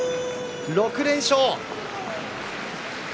６連勝。